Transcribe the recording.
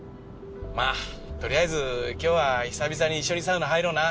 まあとりあえず今日は久々に一緒にサウナ入ろうな！